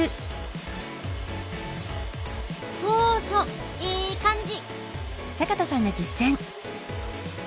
そうそうええ感じ。